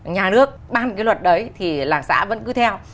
nhà nước ban cái luật đấy thì làng xã vẫn cứ theo